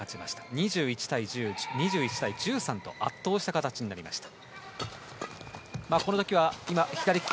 ２１対１１、２１対１３と圧倒した形になりました。